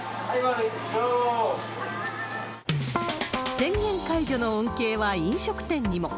宣言解除の恩恵は飲食店にも。